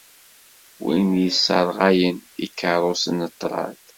Win i yesserɣayen ikeṛṛusen n ṭṭṛad.